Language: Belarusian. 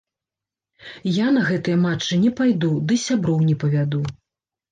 Я на гэтыя матчы не пайду ды сяброў не павяду.